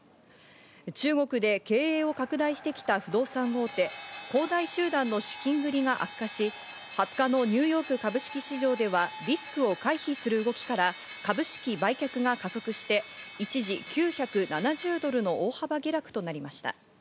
中国で経営を拡大してきた不動産大手、恒大集団の資金繰りが悪化し、２０日のニューヨーク株式市場ではリスクを回避する動きから、株式売却が加速して一時、９７０ドルの大幅下落となりました。